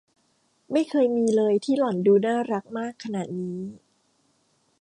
ไม่เคยมีเลยที่หล่อนดูน่ารักมากขนาดนี้